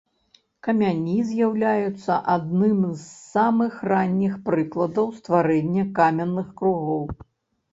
Камяні з'яўляюцца адным з самых ранніх прыкладаў стварэння каменных кругоў.